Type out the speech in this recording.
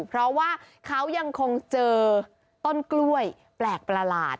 เพราะว่าเขายังคงเจอต้นกล้วยแปลกประหลาด